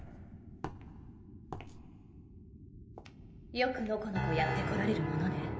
よくのこのこやってこられるものね。